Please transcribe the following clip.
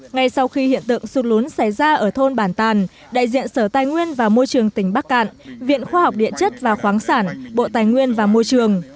ngay sau khi hiện tượng sụt lún xảy ra ở thôn bản tàn đại diện sở tài nguyên và môi trường tỉnh bắc cạn viện khoa học địa chất và khoáng sản bộ tài nguyên và môi trường